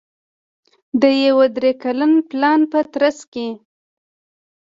د یوه درې کلن پلان په ترڅ کې